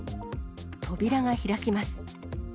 扉が開きます。